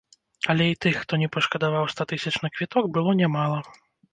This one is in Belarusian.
Але і тых, хто не пашкадаваў ста тысяч на квіток, было нямала.